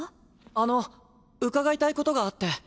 あの伺いたいことがあって。